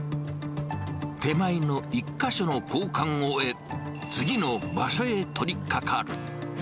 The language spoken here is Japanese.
手前の１か所の交換を終え、次の場所へ取りかかる。